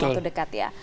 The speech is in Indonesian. dalam waktu dekat ya